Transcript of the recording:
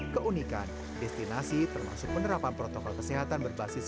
keunikan destinasi termasuk penerapan protokol kesehatan berbasis